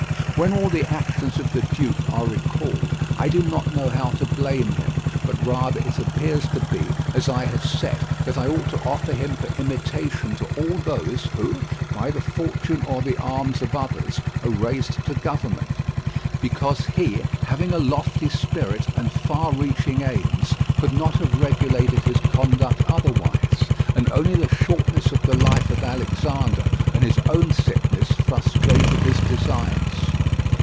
When all the actions of the duke are recalled, I do not know how to blame him, but rather it appears to be, as I have said, that I ought to offer him for imitation to all those who, by the fortune or the arms of others, are raised to government. Because he, having a lofty spirit and far reaching aims, could not have regulated his conduct otherwise, and only the shortness of the life of Alexander and his own sickness frustrated his designs.